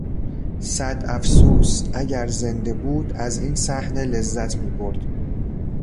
صد افسوس، اگر زنده بود از این صحنه لذت میبرد.